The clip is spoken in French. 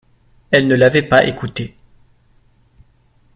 Elles ne l'avaient pas écouté.